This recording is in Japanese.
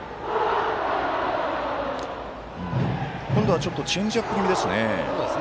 今度はチェンジアップ気味ですね。